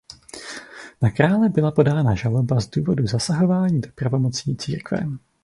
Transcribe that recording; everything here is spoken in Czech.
Na krále byla podána žaloba z důvodu zasahování do pravomocí církve.